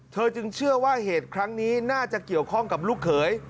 จึงเชื่อว่าเหตุครั้งนี้น่าจะเกี่ยวข้องกับลูกเขย